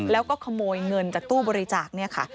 แล้วก็ขโมยเงินจากตู้บริจาคเนี่ยค่ะ